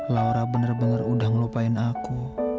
laura bener bener udah ngelupain aku